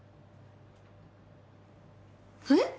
えっ？